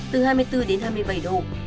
từ hai mươi bốn đến hai mươi bảy độ